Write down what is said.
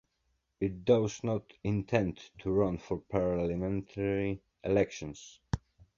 It does not intend to run for parliamentary elections.